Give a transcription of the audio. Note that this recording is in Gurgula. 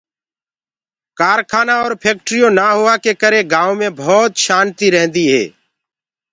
ڪآرکآنآ اور ڦيڪٽريونٚ نآ هوآ ڪي ڪري گآئونٚ مي ڀوت شآنتيٚ رهندي هي۔